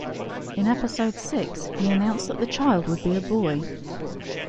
In episode six, he announced that the child would be a boy.